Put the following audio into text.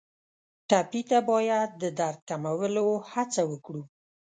ټپي ته باید د درد کمولو هڅه وکړو.